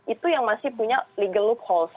itu yang masih punya legal loopholes